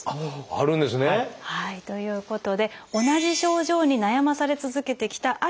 あるんですね！ということで同じ症状に悩まされ続けてきたある２人。